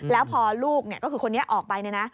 แล้วพอลูกคนนี้ออกไปนะ